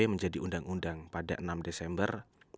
menjadi undang undang pada enam desember dua ribu dua puluh